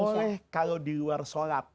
maksudnya kalau di luar sholat